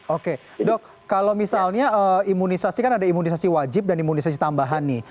oke dok kalau misalnya imunisasi kan ada imunisasi wajib dan imunisasi tambahan nih